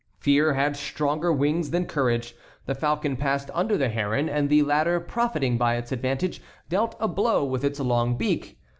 Fear had stronger wings than courage. The falcon passed under the heron, and the latter, profiting by its advantage, dealt a blow with its long beak.